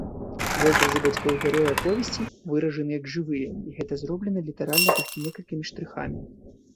Вобразы бацькоў героя аповесці выражаны як жывыя, і гэта зроблена літаральна толькі некалькімі штрыхамі.